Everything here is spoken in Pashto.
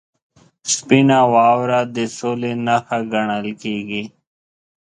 • سپینه واوره د سولې نښه ګڼل کېږي.